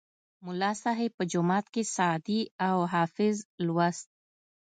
ملا صیب به جومات کې سعدي او حافظ لوست.